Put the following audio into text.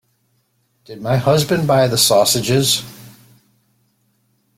Did my husband buy the sausages?